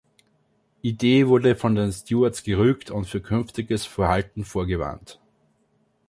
Ide wurde von den Stewards gerügt und für künftiges Verhalten vorgewarnt.